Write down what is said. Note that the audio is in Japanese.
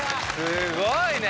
すごいね！